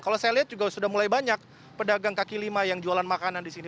kalau saya lihat juga sudah mulai banyak pedagang kaki lima yang jualan makanan di sini